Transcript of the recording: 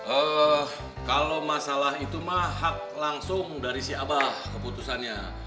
oh kalau masalah itu mah hak langsung dari si abah keputusannya